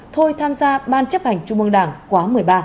thôi tham gia ban chấp hành trung ương đảng quá một mươi ba